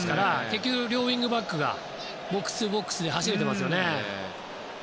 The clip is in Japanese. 結局、両ウィングバックがボックストゥボックスで走れていますね。